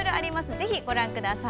ぜひご覧ください。